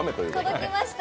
届きました！